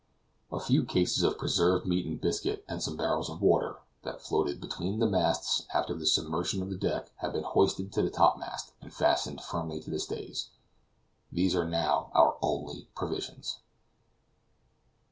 A few cases of preserved meat and biscuit and some barrels of water, that floated between the masts after the submersion of the deck, have been hoisted to the top mast and fastened firmly to the stays. These are now our only provisions.